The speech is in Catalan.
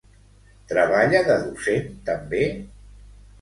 Treballa de docent també?